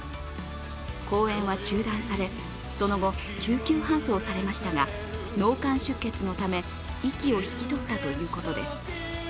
公演は中断され、その後救急搬送されましたが脳幹出血のため息を引き取ったということです。